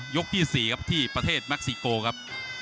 ที่๔ครับที่ประเทศแม็กซิโกครับ